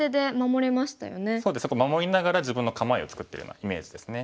守りながら自分の構えを作ってるようなイメージですね。